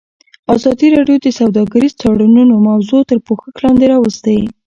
ازادي راډیو د سوداګریز تړونونه موضوع تر پوښښ لاندې راوستې.